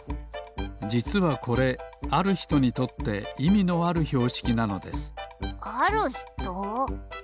じつはこれあるひとにとっていみのあるひょうしきなのですあるひと？